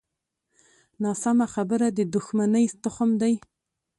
ناسمه خبره د دوښمنۍ تخم دی